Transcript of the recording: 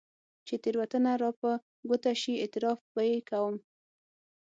چې تېروتنه راپه ګوته شي، اعتراف به يې کوم.